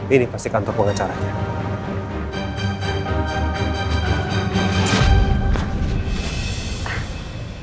ini pasti kantor pengacaranya